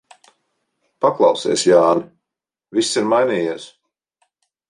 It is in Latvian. Paklausies, Jāni, viss ir mainījies.